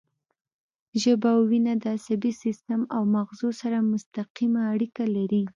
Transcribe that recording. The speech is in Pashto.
ژبه او وینا د عصبي سیستم او مغزو سره مستقیمه اړیکه لري